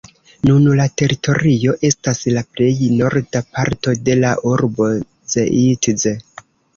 Nun la teritorio estas la plej norda parto de la urbo Zeitz.